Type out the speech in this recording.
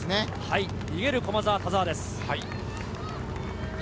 逃げる駒澤・田澤です。